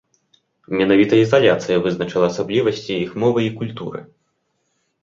Менавіта ізаляцыя вызначыла асаблівасці іх мовы і культуры.